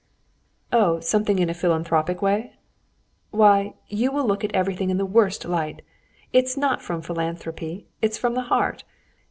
"Oh, something in a philanthropic way?" "Why, you will look at everything in the worst light. It's not from philanthropy, it's from the heart.